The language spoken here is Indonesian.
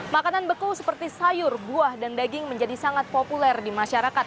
makanan beku seperti sayur buah dan daging menjadi sangat populer di masyarakat